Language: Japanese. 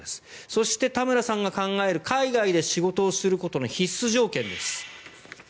そして、田村さんが考える海外で仕事をすることの必須条件です。